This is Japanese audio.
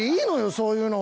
そういうのは。